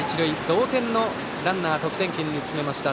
同点のランナーを得点圏に進めました。